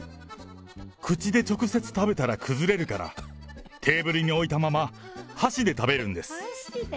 口で直接食べたら崩れるから、テーブルに置いたまま、箸で食べるんです。